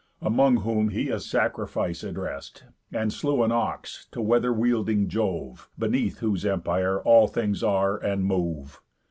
Among whom he a sacrifice addrest, And slew an ox, to weather wielding Jove, Beneath whose empire all things are, and move.